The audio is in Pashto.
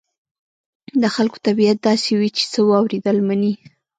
د خلکو طبيعت داسې وي چې څه واورېدل مني.